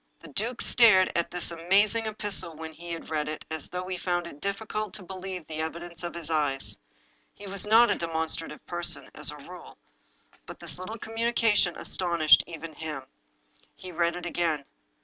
The duke stared at this amazing epistle when he had read it as though he found it difficult to believe the evi dence of his eyes. He was not a demonstrative person, as a rule, but this little communication astonished even him. He read it again.